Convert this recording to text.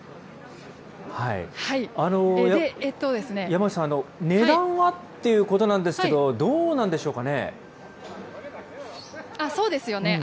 山内さん、値段は？ということなんですけど、どうなんでしょそうですよね。